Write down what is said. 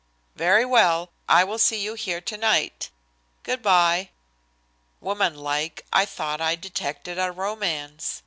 Very well. I will see you here tonight. Good by." Woman like, I thought I detected a romance.